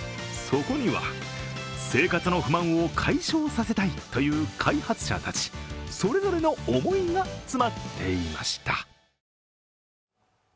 そこには生活の不満を解消させたいという開発者たちそれぞれの思いが詰まっていました。